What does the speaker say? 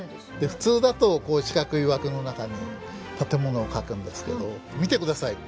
普通だとこう四角い枠の中に建物を描くんですけど見て下さい。